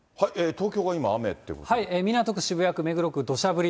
東京が今、港区、渋谷区、目黒区、どしゃ降り。